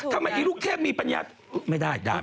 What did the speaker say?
ถ้าเมื่อกี้ลูกเทพมีปัญญาไม่ได้ด่า